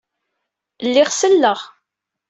Lliɣ selleɣ.